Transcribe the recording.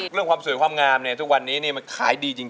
เรื่องความสวยความงามเนี่ยทุกวันนี้มันขายดีจริง